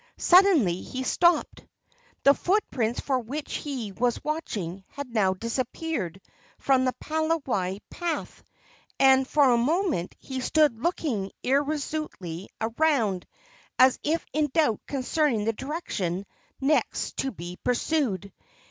Suddenly he stopped. The footprints for which he was watching had now disappeared from the Palawai path, and for a moment he stood looking irresolutely around, as if in doubt concerning the direction next to be pursued.